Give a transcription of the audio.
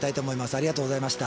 ありがとうございます。